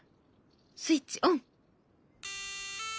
スイッチオン！